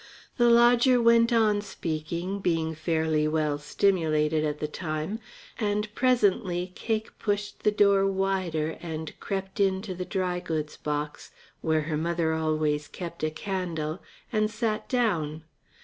The lodger went on speaking, being fairly well stimulated at the time, and presently Cake pushed the door wider and crept in to the dry goods box, where her mother always kept a candle, and sat down.